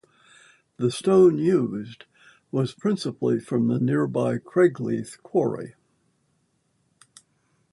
The stone used was principally from the nearby Craigleith Quarry.